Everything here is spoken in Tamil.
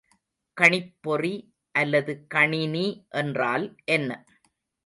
கணிப்பொறி அல்லது கணினி என்றால் என்ன?